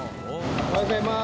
おはようございます。